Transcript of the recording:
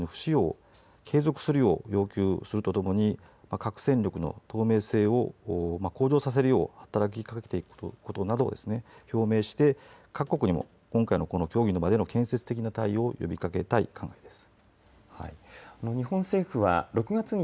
日本としてはこの枠組みのもとで核保有国に核兵器の不使用を継続するよう要求するとともに核戦力の透明性を向上させるよう働きかけていくことなどを表明して、各国にも今回の協議の場での建設的な対応を呼びかけたい考えです。